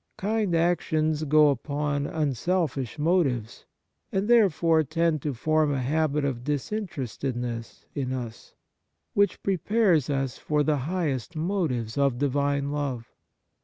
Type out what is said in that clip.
Kind actions go upon unselfish motives, and therefore tend to form a habit of disinterestedness in us, which prepares us for the highest motives of Divine love.